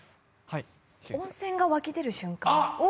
はい温泉が湧き出る瞬間